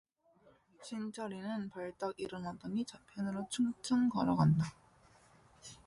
신철이는 벌떡 일어나더니 저편으로 충충 걸어간다.